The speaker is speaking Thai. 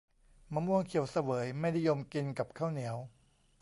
มะม่วงเขียวเสวยไม่นิยมกินกับข้าวเหนียว